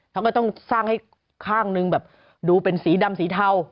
เขาก็ต้องสร้างให้ข้างนึงแบบดูเป็นสีดำสีเทา